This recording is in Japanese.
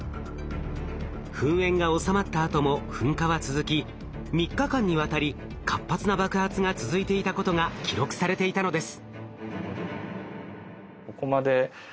噴煙が収まったあとも噴火は続き３日間にわたり活発な爆発が続いていたことが記録されていたのです。